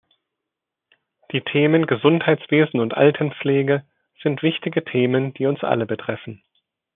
Die Themen Gesundheitswesen und Altenpflege sind wichtige Themen, die uns alle betreffen.